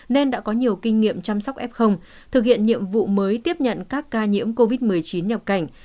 nên đã có nhiều kinh nghiệm chăm sóc f thực hiện nhiệm vụ mới tiếp nhận các ca nhiễm covid một mươi chín nhập cảnh